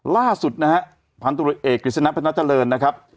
ล่าสุดนะฮะพันธุรกิจกริจนักพนักเจริญนะครับ